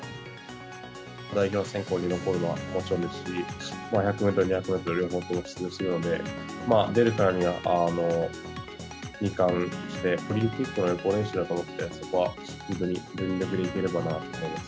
代表選考に残るのはもちろんですし、１００メートル、２００メートル両方とも出場するので、出るからには２冠して、オリンピックの予行練習だと思って、そこは本当に全力でいければなと思います。